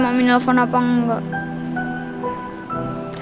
mami nelfon apa enggak